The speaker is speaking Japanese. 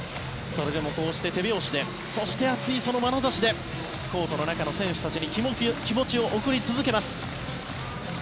それでもこうして手拍子でそして熱いまなざしでコートの中の選手たちに気持ちを送り続けます。